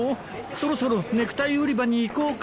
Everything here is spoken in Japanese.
そろそろネクタイ売り場に行こうか。